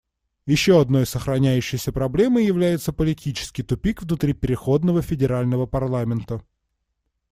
Еще одной сохраняющейся проблемой является политический тупик внутри переходного федерального парламента.